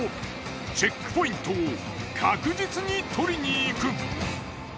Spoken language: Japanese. チェックポイントを確実に取りに行く。